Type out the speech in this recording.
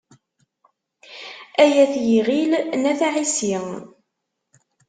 Ay At yiɣil n At Ɛissi.